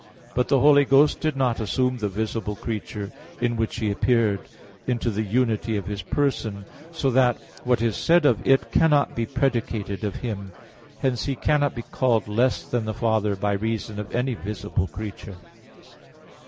But the Holy Ghost did not assume the visible creature, in which He appeared, into the unity of His person; so that what is said of it cannot be predicated of Him. Hence He cannot be called less than the Father by reason of any visible creature.